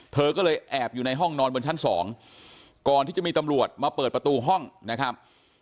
เธอก็เลยแอบอยู่ในห้องนอนบนชั้น๒ก่อนที่จะมีตำรวจมาเปิดประตูห้องนะครับ